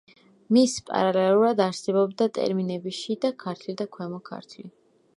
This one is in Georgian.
მის პარალელურად არსებობდა ტერმინები შიდა ქართლი და ქვემო ქართლი.